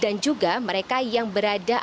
dan juga mereka yang berada di usia produktif